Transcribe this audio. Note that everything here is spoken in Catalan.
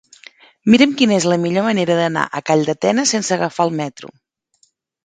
Mira'm quina és la millor manera d'anar a Calldetenes sense agafar el metro.